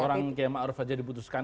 orang kayak ma'ruf saja diputuskan